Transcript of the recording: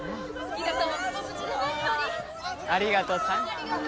ありがとさん。